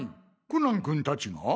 コナン君たちが！？